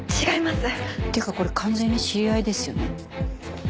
「違います」っていうかこれ完全に知り合いですよね。